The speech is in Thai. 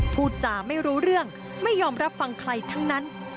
พูดจาไม่รู้เรื่องไม่ยอมรับฟังใครทั้งนั้น